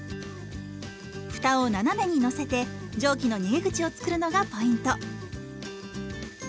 ふたを斜めにのせて蒸気の逃げ口を作るのがポイント。